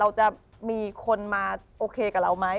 เราจะมีคนมาโอเคกับเราไหม